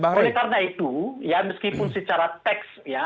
kira kira begitu tuh